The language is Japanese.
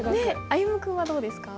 歩夢君はどうですか？